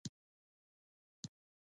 دغه کارونه دیني منشأ نه لري.